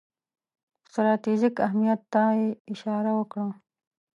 ستراتیژیک اهمیت ته یې اشاره وکړه.